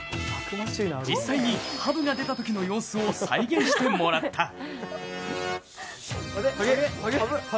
実際にハブが出たときの様子を再現してもらった。